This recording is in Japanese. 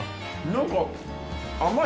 何か。